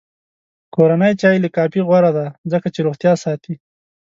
کورنی چای له کافي غوره دی، ځکه چې روغتیا ساتي.